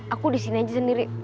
aku disini aja sendiri